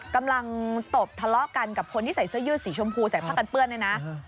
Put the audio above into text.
ตบทะเลาะกันกับคนที่ใส่เสื้อยืดสีชมพูใส่ผ้ากันเปื้อนเนี่ยนะ